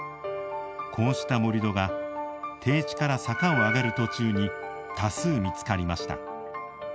こうした盛土が低地から坂を上がる途中に多数、見つかりました。